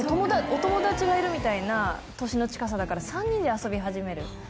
お友達がいるみたいな、年の近さだから、３人で遊び始める。